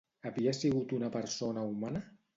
Havia sigut una persona humana?